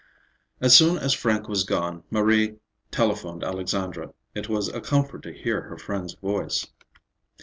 As soon as Frank was gone, Marie telephoned Alexandra. It was a comfort to hear her friend's voice.